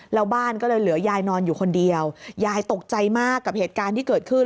แล้วบ้านก็เลยเหลือยายนอนอยู่คนเดียวยายตกใจมากกับเหตุการณ์ที่เกิดขึ้น